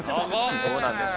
そうなんです。